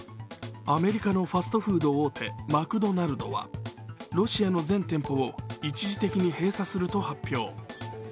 アメリカのファストフード大手マクドナルドはロシアの全店舗を一時的に閉鎖すると発表。